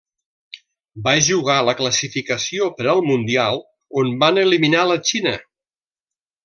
Va jugar la classificació per al mundial on van eliminar la Xina.